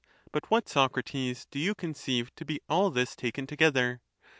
But what, Socrates, do you conceive to be all this, taken together?